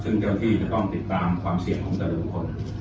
ซึ่งเจ้าที่จะต้องติดตามความเสี่ยงของแต่ละคน